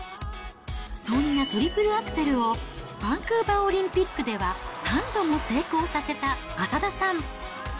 そんなトリプルアクセルをバンクーバーオリンピックでは３度も成功させた浅田さん。